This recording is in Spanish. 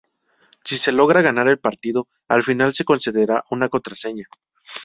Si se logra ganar el partido al final se concederá una contraseña.